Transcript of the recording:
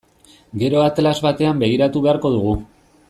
Gero atlas batean begiratu beharko dugu.